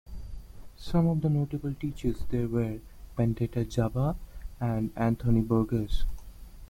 Some of the notable teachers there were Pendeta Za'Ba and Anthony Burgess.